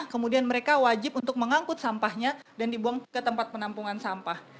kemudian mereka wajib untuk mengangkut sampahnya dan dibuang ke tempat penampungan sampah